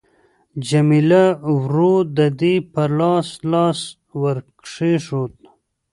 جميله ورو د دې پر لاس لاس ورکښېښود.